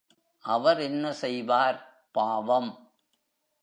அவர் என்ன செய்வார், பாவம்!